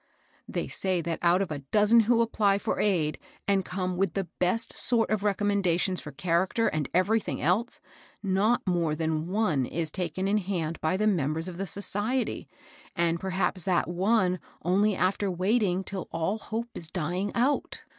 They say that out of ^^Asyiec^^^^sNS^ 874 MABEL ROSS. apply for wd, and come with the best sort of recom mendations for character and everything else, not more than one is taken in hand hj the members of the society, and perhaps that (me only after waiting till all hope is dying out.